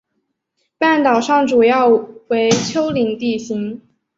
半岛上主要为丘陵地形。